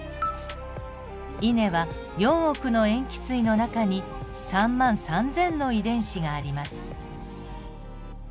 イネは４億の塩基対の中に３万３，０００の遺伝子があります。